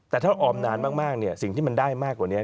แต่ถ้าออมนานมากสิ่งที่มันได้มากกว่านี้